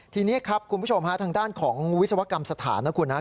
ทีนี้ครับคุณผู้ชมฮะทางด้านของวิศวกรรมสถานนะครับ